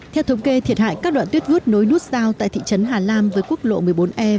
theo thống kê thiệt hại các đoạn tuyết vút nối nút giao tại thị trấn hà lam với quốc lộ một mươi bốn e